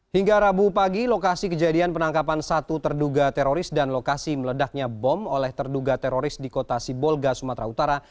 hingga rabu pagi lokasi kejadian penangkapan satu terduga teroris dan lokasi meledaknya bom oleh terduga teroris di kota sibolga sumatera utara